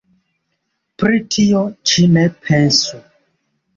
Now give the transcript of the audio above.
Pri tio ĉi ne pensu!